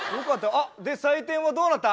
あ！で採点はどうなった？